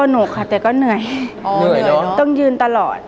เหนื่อยเนอะต้องยืนตลอด